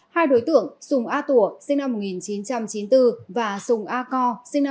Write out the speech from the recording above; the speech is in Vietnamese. hai đối tượng sùng a tùa sinh năm một nghìn chín trăm chín mươi bốn và sùng a co sinh năm một nghìn chín trăm chín mươi bốn